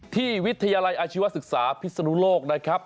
วิทยาลัยอาชีวศึกษาพิศนุโลกนะครับ